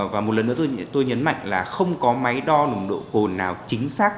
và một lần nữa tôi nhấn mạnh là không có máy đo nồng độ cồn nào chính xác